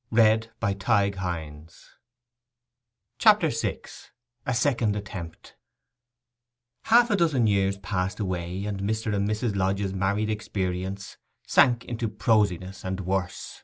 CHAPTER VI—A SECOND ATTEMPT Half a dozen years passed away, and Mr. and Mrs. Lodge's married experience sank into prosiness, and worse.